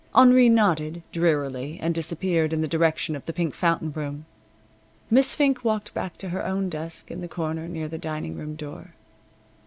Henri nodded, drearily, and disappeared in the direction of the Pink Fountain Room. Miss Fink walked back to her own desk in the corner near the dining room door.